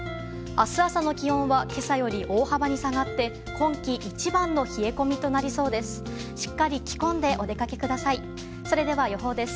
明日朝の気温は今朝より大幅に下がって今季一番の冷え込みとなりそうです。